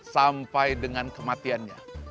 sampai dengan kematiannya